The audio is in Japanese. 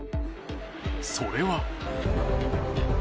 それは。